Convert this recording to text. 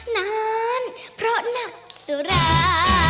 นานเพราะนักสุรา